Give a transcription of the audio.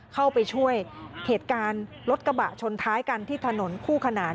เข้าไปช่วยเหตุการณ์รถกระบะชนท้ายกันที่ถนนคู่ขนาน